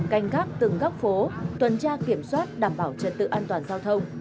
canh gác từng góc phố tuần tra kiểm soát đảm bảo trật tự an toàn giao thông